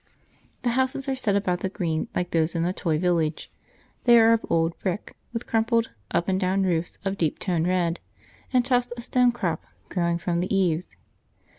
The houses are set about the Green like those in a toy village. They are of old brick, with crumpled, up and down roofs of deep toned red, and tufts of stonecrop growing from the eaves.